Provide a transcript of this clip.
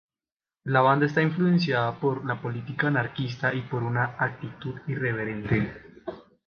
La banda está influenciada por la política anarquista y por una actitud irreverente.